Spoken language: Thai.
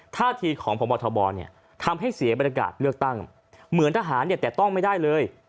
ท่าทีของพบทำให้เสียบริการเลือกตั้งเหมือนทหารแต่ต้องไม่ได้เลย